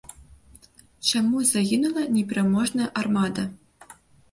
Чаму загінула непераможная армада?